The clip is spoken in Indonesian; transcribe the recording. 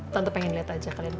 tante pengen liat aja kalian